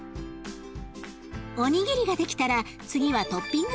おにぎりが出来たら次はトッピングづくり。